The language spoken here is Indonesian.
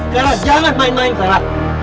gara jangan main main gara